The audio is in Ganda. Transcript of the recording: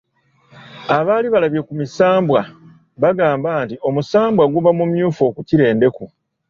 Abaali balabye ku misambwa batugamba nti omusambwa guba mumyufu okukira endeku.